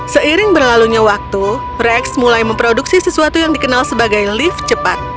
seiring berlalunya waktu rex mulai memproduksi sesuatu yang dikenal sebagai lift cepat